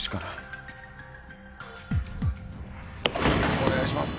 お願いします。